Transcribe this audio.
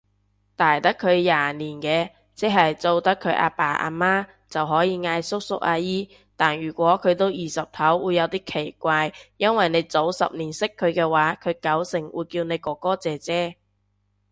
大得佢廿年嘅，即係做得佢阿爸阿媽，就可以嗌叔叔姨姨，但如果佢都二十頭會有啲奇怪，因為你早十年識佢嘅話佢九成會叫你哥哥姐姐